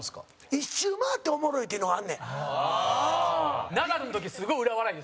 １周回っておもろいっていうのはあんねん。